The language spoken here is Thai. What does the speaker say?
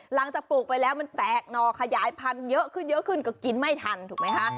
หลังจากปลูกไปแล้วมันแตกนอกขยายพันเยอะขึ้นก็กินไม่ทันถูกไหมคะ